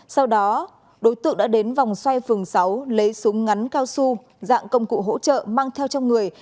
sau đó đối tượng đã đến vòng xoay phường sáu lấy súng ngắn cao su dạng công cụ hỗ trợ mang theo trong người